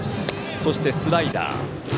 そしてスライダー。